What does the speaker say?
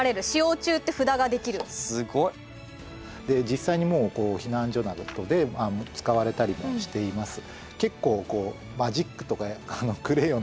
実際にもう避難所などで使われたりもしています。